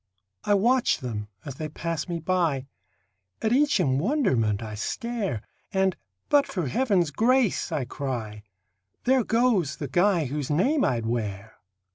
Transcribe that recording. I watch them as they pass me by; At each in wonderment I stare, And, "but for heaven's grace," I cry, "There goes the guy whose name I'd wear!"